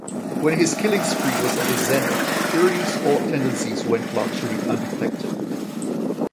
When his killing spree was at its zenith, Kearney's odd tendencies went largely undetected.